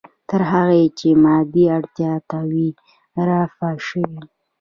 تر هغې چې مادي اړتیا نه وي رفع شوې.